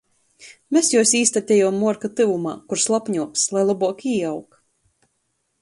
Mes juos īstatejom muorka tyvumā, kur slapņuoks, lai lobuok īaug.